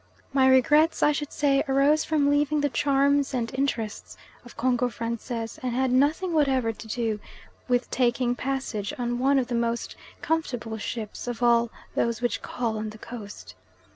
My regrets, I should say, arose from leaving the charms and interests of Congo Francais, and had nothing whatever to do with taking passage on one of the most comfortable ships of all those which call on the Coast.